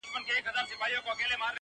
جهاني مي د پښتون غزل اسمان دی,